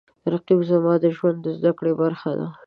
رقیب زما د ژوند د زده کړو برخه ده